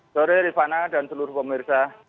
sore rifana dan seluruh pemirsa